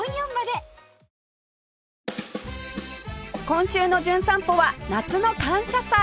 今週の『じゅん散歩』は夏の感謝祭